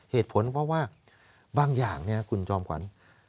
เหตุผลเพราะว่าบางอย่างเนี่ยคุณจอมขวัญ